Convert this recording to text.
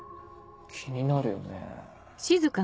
気になるよね。